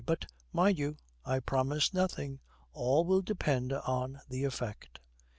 But, mind you, I promise nothing. All will depend on the effect.'